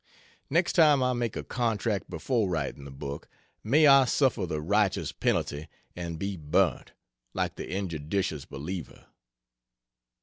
Next time I make a contract before writing the book, may I suffer the righteous penalty and be burnt, like the injudicious believer.